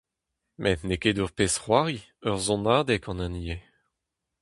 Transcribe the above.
Met n'eo ket ur pezh-c'hoari, ur sonadeg an hini eo.